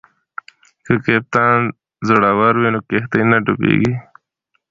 که کپتان زړور وي نو کښتۍ نه ډوبیږي.